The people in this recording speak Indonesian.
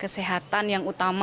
kesehatan yang utama ya